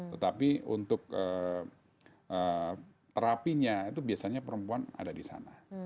tetapi untuk terapinya itu biasanya perempuan ada di sana